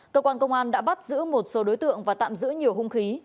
cơ quan công an đã bắt giữ một số đối tượng và tạm giữ nhiều hung khí